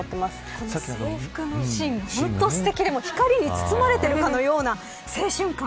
本当にすてきで光に包まれているかのような青春感。